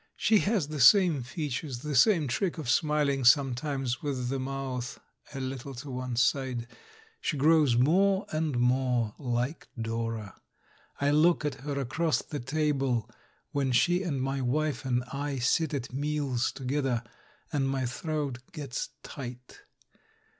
She has the same features, the same trick of smihng sometimes with the mouth a little to one side; she grows more and more like Dora. I look at her across the table, when she and my wife and I sit at meals together, and my throat gets tight.